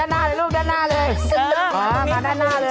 สุดยอด